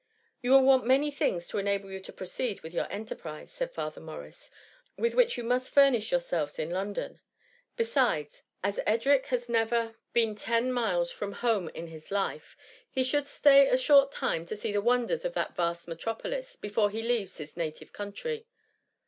" You will want many things to enable you to proceed in your enterprise,'' said Father Morris, " with which you must furnish your selves in London. Besides, as Edric has never I .THE MUMMY. 139 been ten miles from home in his life, he should stay a short time to see the wonders of that vast metropolis, before he leaves his native country.